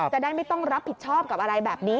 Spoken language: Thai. จะได้ไม่ต้องรับผิดชอบกับอะไรแบบนี้